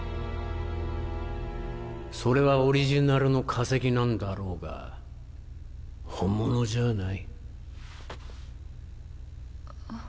それはオリジナルの化石なんだろうが本物じゃない。